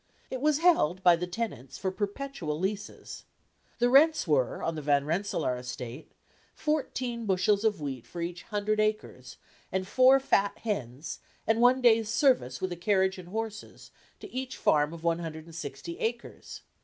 It was held by the tenants for perpetual leases. The rents were, on the Van Rensselaer estate, fourteen bushels of wheat for each hundred acres, and four fat hens, and one day's service with a carriage and horses, to each farm of one hundred and sixty acres.